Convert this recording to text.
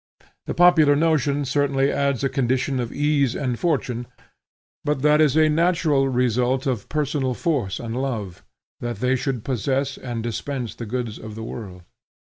The popular notion certainly adds a condition of ease and fortune; but that is a natural result of personal force and love, that they should possess and dispense the goods of the world.